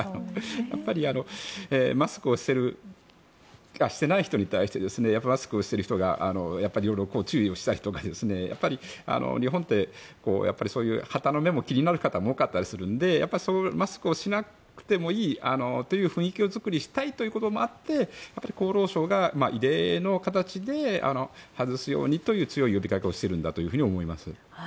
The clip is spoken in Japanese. やっぱりマスクをしてない人に対してマスクをしている人が色々、注意をした人が日本ってそういう傍の目も気になる方も多かったりするのでマスクをしなくてもいいという雰囲気作りをしたいということもあって厚労省が異例の形で外すようにという強い呼びかけをしているんだと思います。